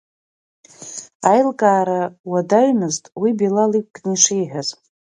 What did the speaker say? Аилкаара уадаҩмызт уи Билал иқәкны ишиҳәаз.